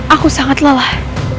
aku sangat lelah